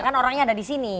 kan orangnya ada di sini